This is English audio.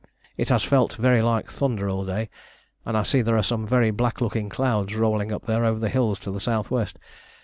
"It has felt very like thunder all day, and I see there are some very black looking clouds rolling up there over the hills to the south west.